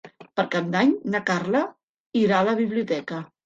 Per Cap d'Any na Carla irà a la biblioteca.